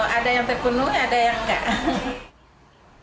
ada yang terpenuhi ada yang enggak